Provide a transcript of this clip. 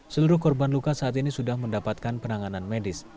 seluruh korban luka saat ini sudah mendapatkan penanganan medis